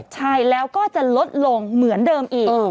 ใช่แล้วก็จะลดลงเหมือนเดิมอีก